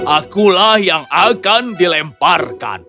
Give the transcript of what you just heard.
akulah yang akan dilemparkan